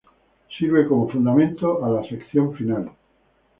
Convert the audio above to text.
Sirve como fundamento a la sección final.